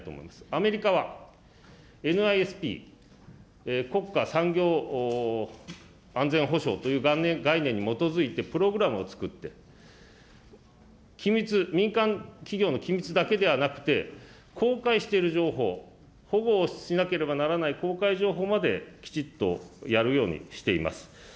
アメリカはＮＩＳＰ・国家産業安全保障という概念に基づいてプログラムを作って、機密、民間企業の機密だけではなくて、公開している情報、保護をしなければならない公開情報まで、きちっとやるようにしています。